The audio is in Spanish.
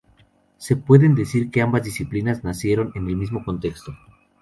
Se puede decir que ambas disciplinas nacieron en el mismo contexto.